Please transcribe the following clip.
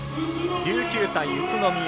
琉球対宇都宮。